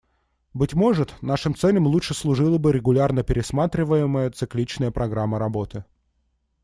Быть может, нашим целям лучше служила бы регулярно пересматриваемая цикличная программа работы.